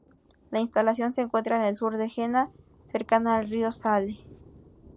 La instalación se encuentra en el sur de Jena, cercana al río Saale.